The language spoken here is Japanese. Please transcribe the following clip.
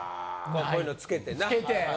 こういうの付けてな。